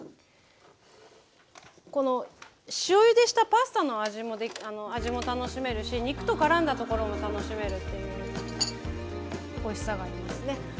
この塩ゆでしたパスタの味も楽しめるし肉とからんだところも楽しめるっていうおいしさがありますね。